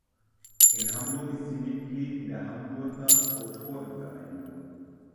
In Hamburg ist sie Mitglied in der Hamburger Autorenvereinigung.